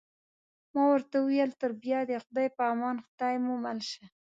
ما ورته وویل: تر بیا د خدای په امان، خدای مو مل شه.